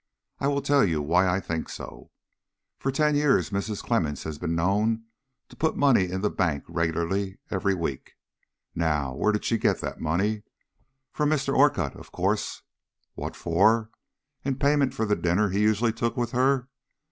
I will tell you why I think so. For ten years Mrs. Clemmens has been known to put money in the bank regularly every week. Now, where did she get that money? From Mr. Orcutt, of course. What for? In payment for the dinner he usually took with her?